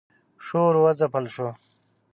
شور و ځپل شو.